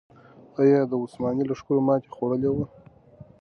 آیا د عثماني لښکرو ماتې خوړلې وه؟